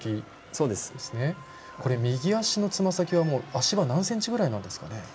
右足のつま先は足場、何センチぐらいでしょう。